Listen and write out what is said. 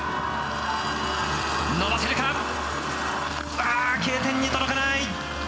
伸ばせるかあＫ点に届かない。